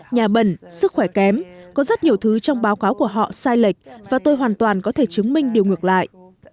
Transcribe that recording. nhà bẩn sức khỏe kém có rất nhiều thứ trong báo cáo của họ sai lệch và tôi hoàn toàn có thể chứng minh điều ngược lại